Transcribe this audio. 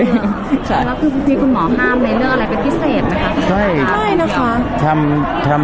แล้วคือพี่คุณหมอห้ามในเรื่องอะไรเป็นพิเศษมั้ยครับ